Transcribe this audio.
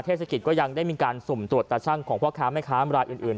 เทศกิจก็ยังได้มีการสุ่มตรวจตาชั่งของพ่อค้าแม่ค้ารายอื่น